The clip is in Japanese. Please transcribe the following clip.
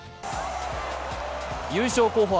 優勝候補